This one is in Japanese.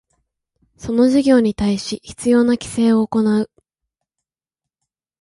その事業に対し必要な規制を行う